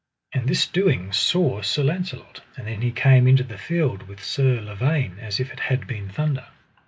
All this doing saw Sir Launcelot, and then he came into the field with Sir Lavaine as it had been thunder.